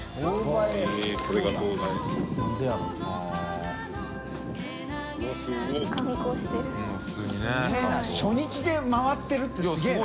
垢欧Г初日で回ってるってすげぇな。